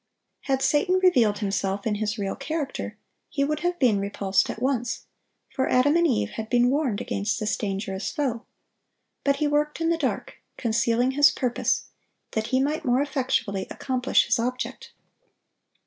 Had Satan revealed himself in his real character, he would have been repulsed at once, for Adam and Eve had been warned against this dangerous foe; but he worked in the dark, concealing his purpose, that he might more effectually accomplish his object.